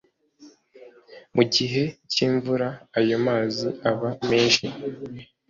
mu gihe cy’imvura ayo mazi aba menshi